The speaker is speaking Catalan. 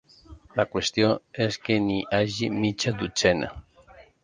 La qüestió és que n'hi hagi mitja dotzena.